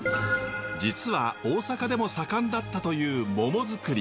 実は大阪でも盛んだったというモモづくり。